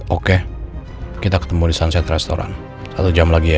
oke kita ketemu di sunset restoran satu jam lagi ya